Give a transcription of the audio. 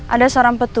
ada seorang petua